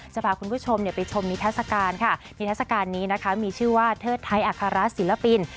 จะพาคุณผู้ชมไปชมนิทัศกาลค่ะนิทัศกาลนี้นะคะมีชื่อว่าเทิดไทยอัครศิลปิน